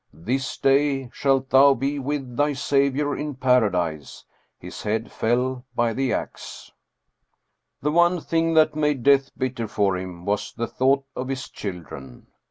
This day shalt thou be with thy Saviour in Paradise," his head fell by the ax. The one thing that made death bitter for him was the thought of his children.